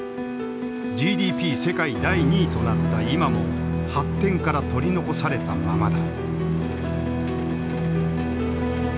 ＧＤＰ世界第２位となった今も発展から取り残されたままだ。